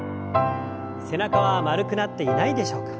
背中は丸くなっていないでしょうか。